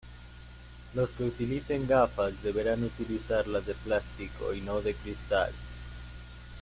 Los que utilicen gafas, deberán utilizarlas de plástico y no de cristal.